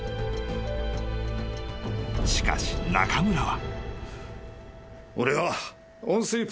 ［しかし中村は］